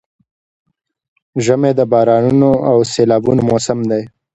ژمی د بارانونو او سيلابونو موسم دی؛